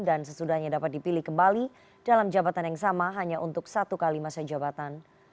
dan sesudahnya dapat dipilih kembali dalam jabatan yang sama hanya untuk satu kali masa jabatan